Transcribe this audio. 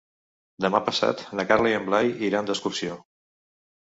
Demà passat na Carla i en Blai iran d'excursió.